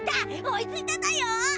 追いついただよ！